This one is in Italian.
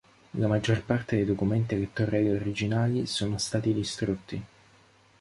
La maggior parte dei documenti elettorali originali sono stati distrutti.